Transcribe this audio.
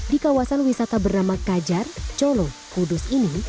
di kawasan wisata bernama kajar colo kudus ini